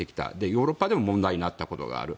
ヨーロッパでも問題になったことがある。